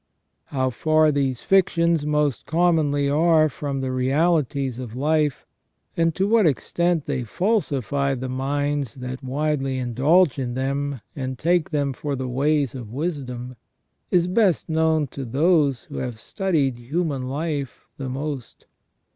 How far these fictions most com monly are from the realities of life, and to what extent they falsify the minds that widely indulge in them, and take them for the ways of wisdom, is best known to those who have studied human life the most.